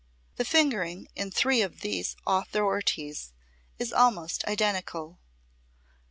The fingering in three of these authorities is almost identical.